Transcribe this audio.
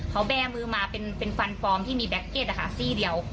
เขาแบ่มือมาเป็นเป็นฟันฟอร์มที่มีแบ็คเกจอ่ะค่ะซี่เดียว